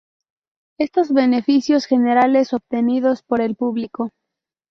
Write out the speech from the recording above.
estos beneficios generales obtenidos por el público